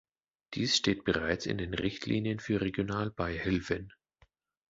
Dies steht bereits in den Richtlinien für Regionalbeihilfen.